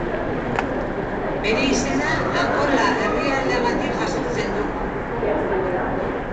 Bere izena Angola herrialdeagatik jasotzen du.